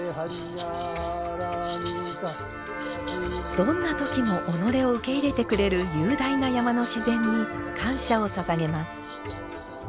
どんな時も己を受け入れてくれる雄大な山の自然に感謝をささげます。